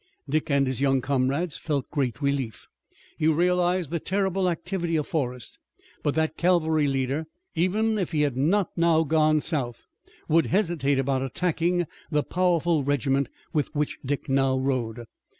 Dick and his young comrades felt great relief. He realized the terrible activity of Forrest, but that cavalry leader, even if he had not now gone south, would hesitate about attacking the powerful regiment with which Dick now rode.